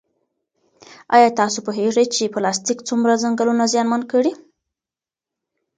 ایا تاسو پوهېږئ چې پلاستیک څومره ځنګلونه زیانمن کړي؟